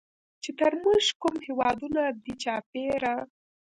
چې تر مونږ کوم هېوادونه دي چاپېره